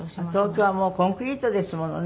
東京はもうコンクリートですものね